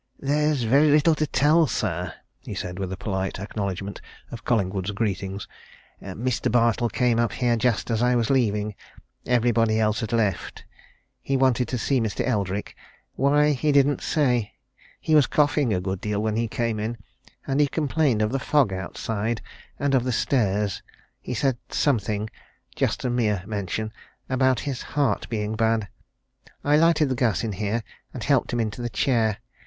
"There's very little to tell, sir," he said, with a polite acknowledgment of Collingwood's greeting. "Mr. Bartle came up here just as I was leaving everybody else had left. He wanted to see Mr. Eldrick. Why, he didn't say. He was coughing a good deal when he came in, and he complained of the fog outside, and of the stairs. He said something just a mere mention about his heart being bad. I lighted the gas in here, and helped him into the chair.